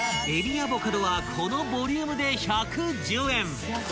［えびアボカドはこのボリュームで１１０円］